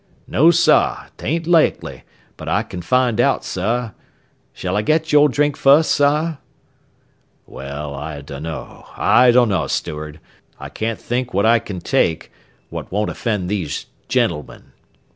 "No, sah, 'tain't likely, but I ken find out, sah. Shall I get yo' drink fust, sah?" "Well, I dunno, I dunno, steward; I can't think what I kin take what won't offend these gentlemen.